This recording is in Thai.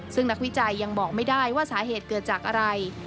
ซึ่งนักวิจัยยังบอกไม่ได้ว่าสาเหตุเกิดจากอะไร